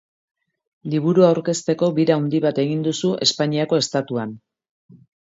Liburua aurkezteko bira handi bat egin duzu Espainiako Estatuan.